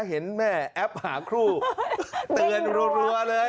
เห็นแม่แอปหาครูเตือนรัวเลย